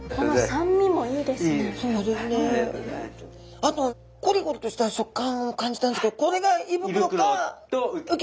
あとコリコリとした食感を感じたんですけどこれが胃袋と鰾。